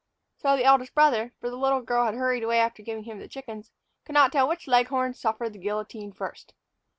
So the eldest brother for the little girl had hurried away after giving him the chickens could not tell which leghorn suffered the guillotine first.